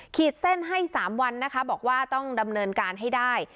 ขีดเส้นให้๓วันนะคะบอกว่าต้องดำเนินการให้ได้